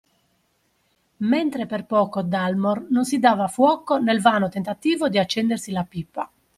Mentre per poco Dalmor non si dava fuoco nel vano tentativo di accendersi la pipa